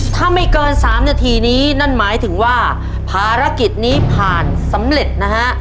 ถ้าไม่เกิน๓นาทีนี้นั่นหมายถึงว่าภารกิจนี้ผ่านสำเร็จนะฮะ